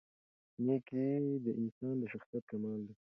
نېکي د انسان د شخصیت کمال دی.